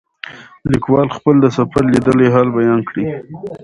لیکوال خپل د سفر لیدلی حال بیان کړی.